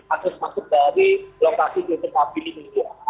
akses masuk dari lokasi titik api ini